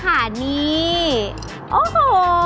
เพราะว่าผักหวานจะสามารถทำออกมาเป็นเมนูอะไรได้บ้าง